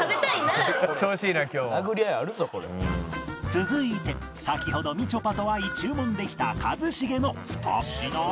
続いて先ほどみちょぱと合い注文できた一茂の２品目